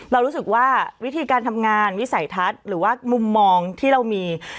เรารู้สึกว่าวิธีการทำงานวิสัยทัศน์หรือว่ามุมมองที่เรามี